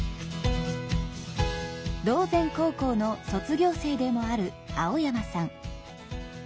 島前高校の卒業生でもある青山さん。